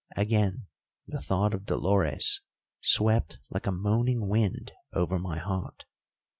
Again the thought of Dolores swept like a moaning wind over my heart.